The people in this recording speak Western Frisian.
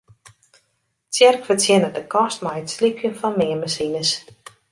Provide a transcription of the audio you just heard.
Tsjerk fertsjinne de kost mei it slypjen fan meanmasines.